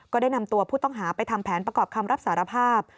ก็ได้นำตัวผู้ต้องหาไปทำแผนประกอบคำรับสารภาพ